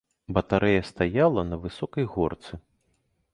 Батарэя стаяла на высокай горцы.